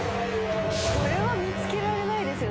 これは見つけられないですよ